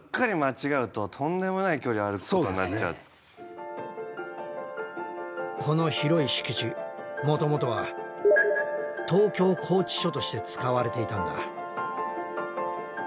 いやそうそうだからこの広い敷地もともとは「東京拘置所」として使われていたんだ。